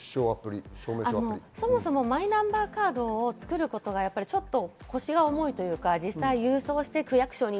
そもそもマイナンバーカードを作ることはちょっと腰が重いというか実際郵送して区役所に